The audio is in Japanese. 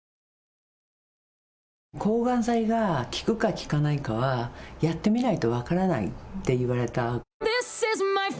抗がん剤が効くか効かないかは、やってみないと分からないって言われた。